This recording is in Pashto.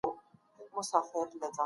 روڼ آندي فيلسوفان هم نقد سول.